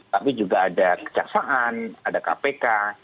tapi juga ada kejaksaan ada kpk